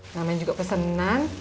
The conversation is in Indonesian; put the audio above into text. namanya juga pesenan